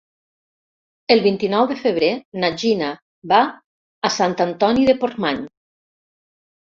El vint-i-nou de febrer na Gina va a Sant Antoni de Portmany.